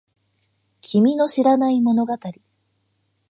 君の知らない物語